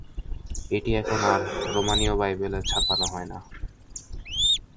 এটি এখন আর রুমানীয় বাইবেলে ছাপানো হয় না।